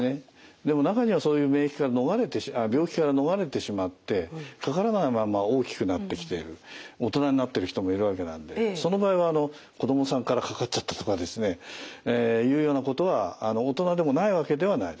でも中にはそういう免疫から逃れて病気から逃れてしまってかからないまんま大きくなってきている大人になってる人もいるわけなんでその場合は子どもさんからかかっちゃったとかですねいうようなことは大人でもないわけではないです。